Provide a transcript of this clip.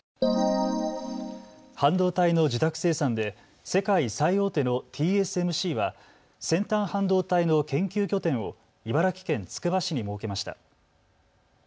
半導体の受託生産で世界最大手のＴＳＭＣは先端半導体の研究拠点を茨城県つくば市に設けました。